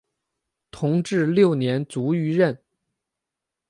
同治六年卒于任。